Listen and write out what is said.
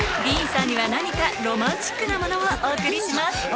ディーンさんには何かロマンチックなものをお送りします